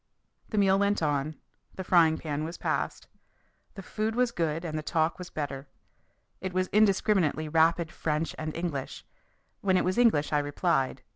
The meal went on. The frying pan was passed. The food was good and the talk was better. It was indiscriminately rapid French and English. When it was English I replied.